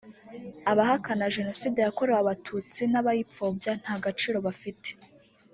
abahakana Jenoside yakorewe abatutsi n’abayipfobya nta gaciro bafite